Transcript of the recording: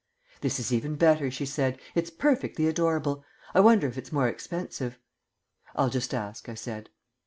"This is even better," she said. "It's perfectly adorable. I wonder if it's more expensive." "I'll just ask," I said.